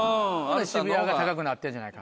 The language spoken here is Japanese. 渋谷が高くなってんじゃないか。